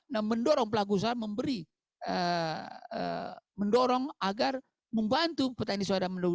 dan mendorong pelaku usaha memberi mendorong agar membantu petani swadaya